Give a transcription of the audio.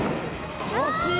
惜しい！